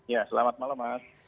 ya selamat malam mas